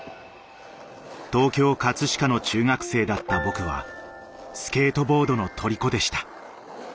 東京葛飾の中学生だった僕はスケートボードのとりこでした。